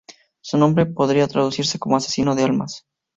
Su nombre podría traducirse como Asesinos de almas.